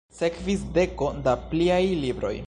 Sekvis deko da pliaj libroj.